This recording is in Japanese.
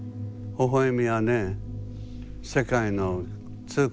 ほほえみはね世界の通行手形。